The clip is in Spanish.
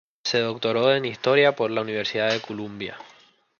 Se doctoró en Historia por la Universidad de Columbia.